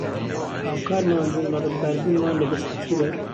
کە هاوکارمان بوون لە رزگاربوونمان لە دەستی تیرۆر